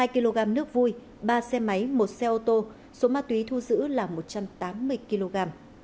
hai kg nước vui ba xe máy một xe ô tô số ma túy thu giữ là một trăm tám mươi kg